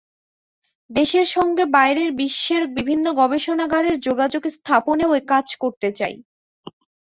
দেশের সঙ্গে বাইরের বিশ্বের বিভিন্ন গবেষণাগারের যোগাযোগ স্থাপনেও কাজ করতে চাই।